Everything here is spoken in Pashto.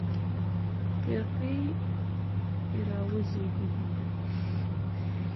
فرقې راوزېږېدې.